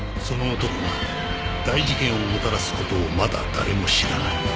その男が大事件をもたらす事をまだ誰も知らない